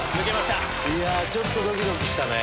いやちょっとドキドキしたね。